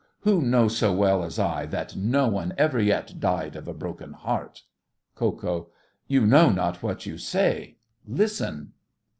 Who knows so well as I that no one ever yet died of a broken heart! KO. You know not what you say. Listen!